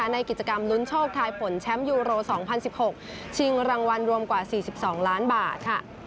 ในกิจกรรมลุ้นโชคทายผลแชมป์ยูโร๒๐๑๖ชิงรางวัลรวมกว่า๔๒ล้านบาทค่ะ